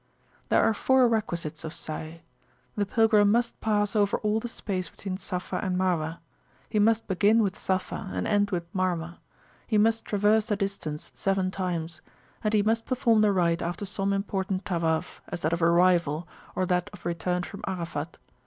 There are four requisites of Sai. The pilgrim must pass over all the space between Safa and Marwah; he must begin with Safa, and end with Marwah; he must traverse the distance seven times; and he must perform the rite after some important Tawaf, as that of arrival, or that of return from Arafat.